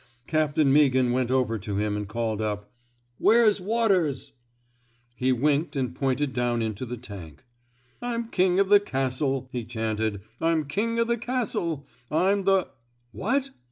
Captain Meaghan went over to him and called up, Where's Waters? '* He winked and pointed down into the tank. I'm the king o' the castle,'' he chanted. I'm the king o' the castle. I'm the — What?